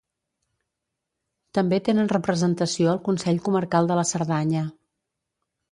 També tenen representació al Consell Comarcal de la Cerdanya.